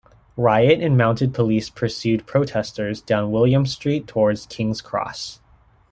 Riot and mounted police pursued protesters down William Street towards Kings Cross.